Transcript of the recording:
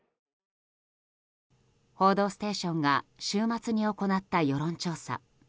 「報道ステーション」が週末に行った世論調査。